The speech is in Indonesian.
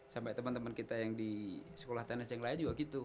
sampai teman teman kita yang di sekolah tenis yang lain juga gitu